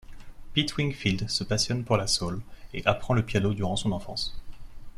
Pete Wingfield se passionne pour la soul et apprend le piano durant son enfance.